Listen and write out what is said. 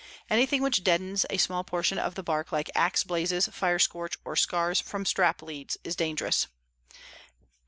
Anything which deadens a small portion of the bark like axe blazes, fire scorch, or scars from strap leads, is dangerous.